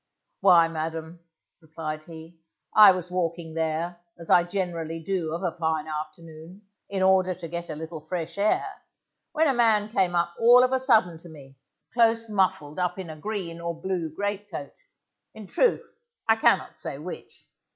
Why, madam, replied he, _I was walking there, as I generally do of a fine afternoon, in order to get a little fresh air, when a man came up all of a sudden to me, close muffled up in a green or blue great coat, in truth I cannot say which.